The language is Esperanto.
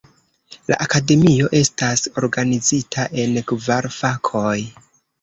La akademio estas organizita en kvar fakoj.